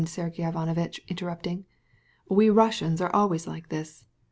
Sergey Ivanovitch interrupted him. "We Russians are always like that.